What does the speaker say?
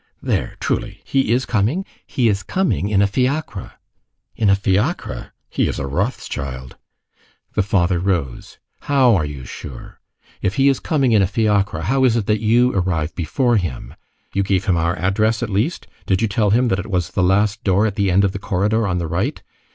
"There, truly, he is coming?" "He is coming in a fiacre." "In a fiacre. He is Rothschild." The father rose. "How are you sure? If he is coming in a fiacre, how is it that you arrive before him? You gave him our address at least? Did you tell him that it was the last door at the end of the corridor, on the right?